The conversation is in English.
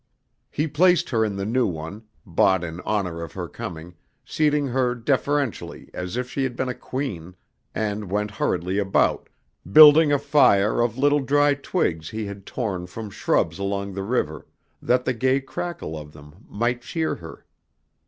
He placed her in the new one, bought in honor of her coming, seating her deferentially as if she had been a Queen, and went hurriedly about, building a fire of little dry twigs he had torn from shrubs along the river that the gay crackle of them might cheer her.